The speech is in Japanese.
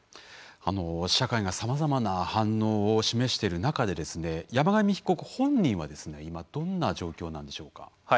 社会がさまざまな反応を示している中で山上被告本人は今、どんな状況なんでしょうか。